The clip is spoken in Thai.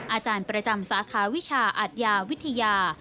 อาจารย์ประจำสาขาวิชาอาทยาวิทยา